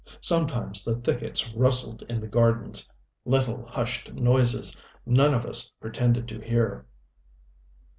Sometimes the thickets rustled in the gardens little, hushed noises none of us pretended to hear.